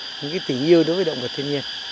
những tỉ nhiêu đối với động vật thiên nhiên